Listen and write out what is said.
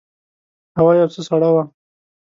هوا یو څه سړه وه.